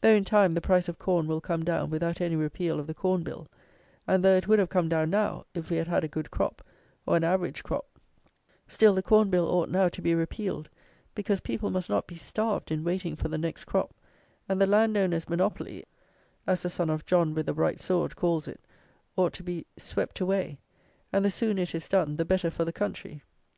Though, in time, the price of corn will come down without any repeal of the Corn Bill; and though it would have come down now, if we had had a good crop, or an average crop; still the Corn Bill ought now to be repealed, because people must not be starved in waiting for the next crop; and the "landowners' monopoly," as the son of "John with the bright sword" calls it, ought to be swept away; and the sooner it is done, the better for the country.